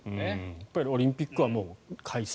やっぱりオリンピックは開催。